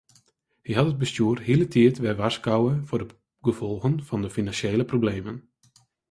Hy hat it bestjoer hieltyd wer warskôge foar de gefolgen fan de finansjele problemen.